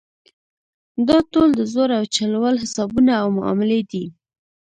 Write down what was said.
دا ټول د زور او چل ول حسابونه او معاملې دي.